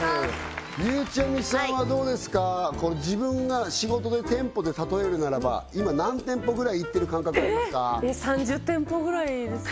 ゆうちゃみさんはどうですか自分が仕事で店舗で例えるならば今何店舗ぐらいいってる感覚ありますか３０店舗ぐらいですかね